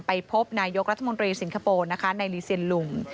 ไปพบนายกรัฐมนตรีสิงคโปร์นะคะในรีเซียนลุง